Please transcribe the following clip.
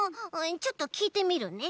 ちょっときいてみるね。